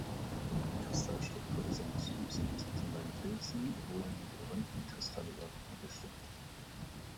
Die Kristallstruktur des Enzyms aus diesen beiden Pilzen wurde mit Röntgenkristallographie bestimmt.